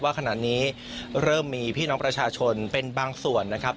ขณะนี้เริ่มมีพี่น้องประชาชนเป็นบางส่วนนะครับ